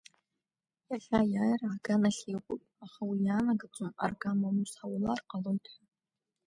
Иахьа аиааира ҳган ахь иҟоуп, аха уи иаанагаӡом аргама аус ҳаулар ҟалоит ҳәа.